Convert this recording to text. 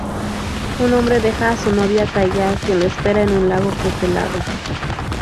Un hombre deja a su novia, Kaya, quien lo espera en un lago congelado.